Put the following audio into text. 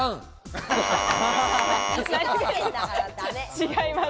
違います。